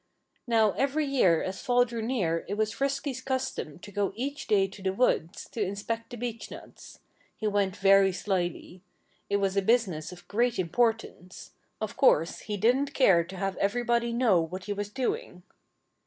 Now, every year as fall drew near it was Frisky's custom to go each day to the woods, to inspect the beechnuts. He went very slyly. It was a business of great importance. Of course he didn't care to have everybody know what he was doing.